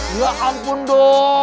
ya ampun doi